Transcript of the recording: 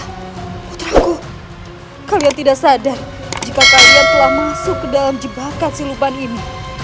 putriku kalian tidak sadar jika kalian telah masuk ke dalam jebakan silupan ini